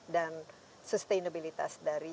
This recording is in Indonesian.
dan sustainabilitas dari